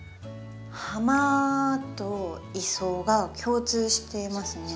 「ハマ」と「イソ」が共通していますね。